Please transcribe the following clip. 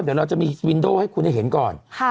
เดี๋ยวเราจะมีสวินโดให้คุณได้เห็นก่อน